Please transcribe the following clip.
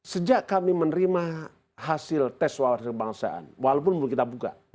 sejak kami menerima hasil tes wawasan kebangsaan walaupun belum kita buka